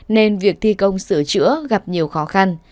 nên việc thi công sửa chữa gặp nhiều khó khăn